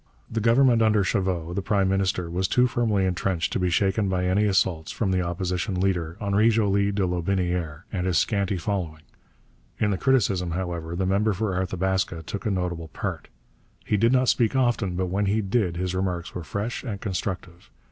The Government under Chauveau, the prime minister, was too firmly entrenched to be shaken by any assaults from the Opposition leader, Henri Joly de Lotbinière, and his scanty following. In the criticism, however, the member for Arthabaska took a notable part. He did not speak often, but when he did his remarks were fresh and constructive.